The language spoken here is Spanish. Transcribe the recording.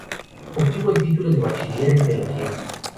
Obtuvo el título de bachiller en Teología.